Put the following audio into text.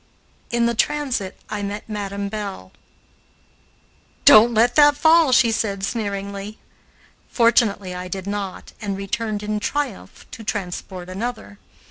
In the transit I met Madam Belle. "Don't let that fall," she said sneeringly. Fortunately I did not, and returned in triumph to transport another.